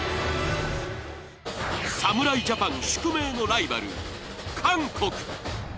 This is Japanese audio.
侍ジャパン宿命のライバル、韓国。